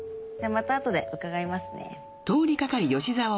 じゃあまたあとで伺いますね。